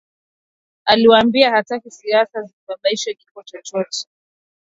Aliwaambia hataki siasa zisababishe kifo chochote